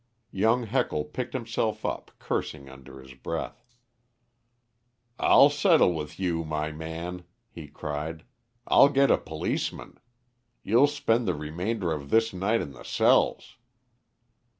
Young Heckle picked himself up, cursing under his breath. "I'll settle with you, my man," he cried; "I'll get a policeman. You'll spend the remainder of this night in the cells."